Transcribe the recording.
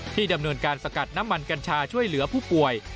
ดำเนินการสกัดน้ำมันกัญชาช่วยเหลือผู้ป่วย